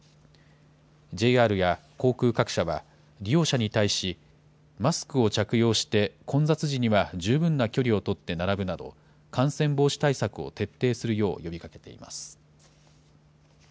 ＪＲや航空各社は、利用者に対し、マスクを着用して混雑時には十分な距離を取って並ぶなど、感染防止対策を徹底するよう呼びかけています。